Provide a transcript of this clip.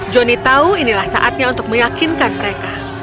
johnny tahu inilah saatnya untuk meyakinkan mereka